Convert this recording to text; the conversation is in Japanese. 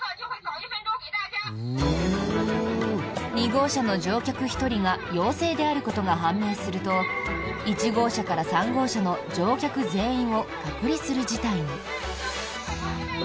２号車の乗客１人が陽性であることが判明すると１号車から３号車の乗客全員を隔離する事態に。